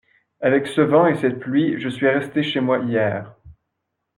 Avec ce vent et cette pluie, je suis resté chez moi hier.